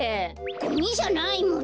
ゴミじゃないもん。